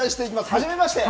はじめまして。